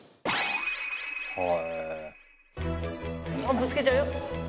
ぶつけちゃうよ。